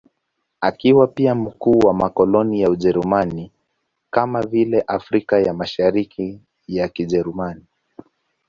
Akiwa pia mkuu wa makoloni ya Ujerumani, kama vile Afrika ya Mashariki ya Kijerumani.